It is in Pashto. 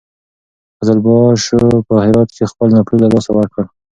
قزلباشو په هرات کې خپل نفوذ له لاسه ورکړ.